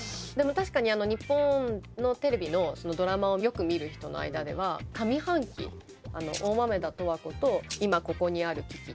でも確かに日本のテレビのドラマをよく見る人の間では上半期「大豆田とわ子」と「今ここにある危機」